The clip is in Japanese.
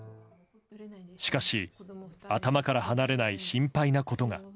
しかし、頭から離れない心配なことが。